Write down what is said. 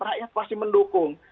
rakyat pasti mendukung